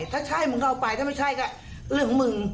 ถ้าใช่มึงก็เอาไปถ้าไม่ใช่ก็เรื่องของมึง